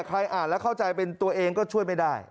อ่านแล้วเข้าใจเป็นตัวเองก็ช่วยไม่ได้